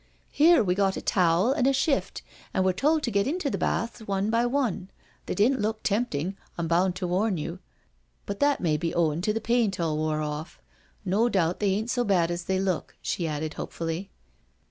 Here we got a towel an' a shift, and were told to get into the baths one by one— they didn't look tempting, I'm bound to warn you— but that may be owin' to the paint all wore off. No doubt they ain't so bad as they look," she added hopefully.